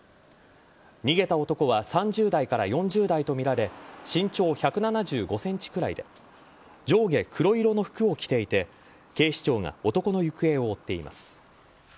逃げた男は３０代から４０代とみられ身長１７５ｃｍくらいで上下黒色の服を着ていて警視庁が男の行方を追っています。